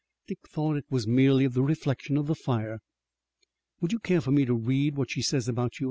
Dick thought it was merely the reflection of the fire. "Would you care for me to read what she says about you?"